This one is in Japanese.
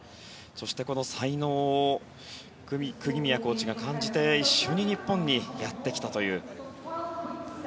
そしてこの才能を釘宮コーチが感じて一緒に日本にやってきたという。